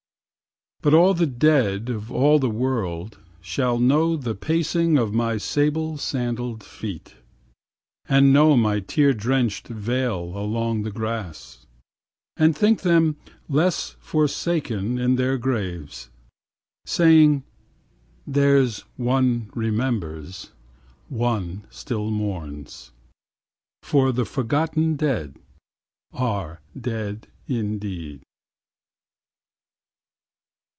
But all the dead of all the world shall know The pacing of my sable sandal'd feet. And know my tear drenched veil along the grass. And think them less forsaken in their graves. Saying: There's one remembers, one still mourns ; For the forgotten dead are dead indeed.